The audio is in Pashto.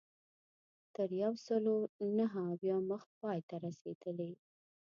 تر یو سلو نهه اویا مخ پای ته رسېدلې.